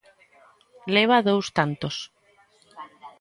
Leva dous tantos.